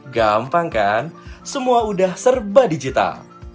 gampang kan semua udah serba digital